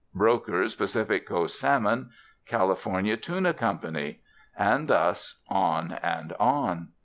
"Brokers Pacific Coast Salmon," "California Tuna Co.," and thus on and on.